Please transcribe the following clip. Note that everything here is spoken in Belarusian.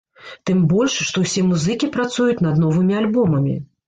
Тым больш, што ўсе музыкі працуюць над новымі альбомамі.